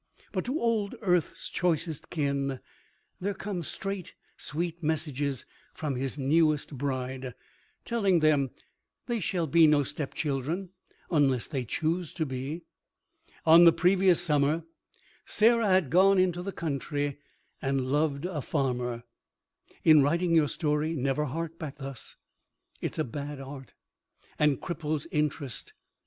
But to old earth's choicest kin there come straight, sweet messages from his newest bride, telling them they shall be no stepchildren unless they choose to be. On the previous summer Sarah had gone into the country and loved a farmer. (In writing your story never hark back thus. It is bad art, and cripples interest.